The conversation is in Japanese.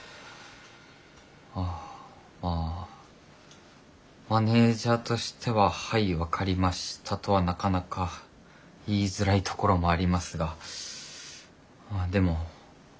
あまぁマネージャーとしてははい分かりましたとはなかなか言いづらいところもありますがでも分かりました